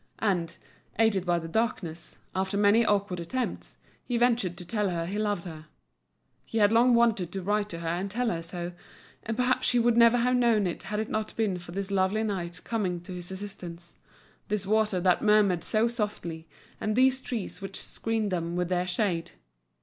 And, aided by the darkness, after many awkward attempts, he ventured to tell her he loved her. He had long wanted to write to her and tell her so; and perhaps she would never have known it had it not been for this lovely night coming to his assistance, this water that murmured so softly, and these trees which screened them with their shade.